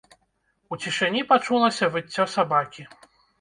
У цішыні пачулася выццё сабакі.